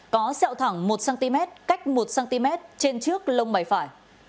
có xeo thẳng một cm cách một cm trên trước lông bày phải